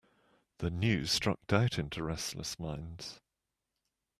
The news struck doubt into restless minds.